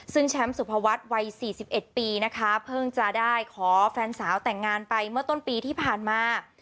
ซึ่งแชมป์สุภวัฒน์วัย๔๑ปีนะคะเพิ่งจะได้ขอแฟนสาวแต่งงานไปเมื่อต้นปีที่ผ่านมา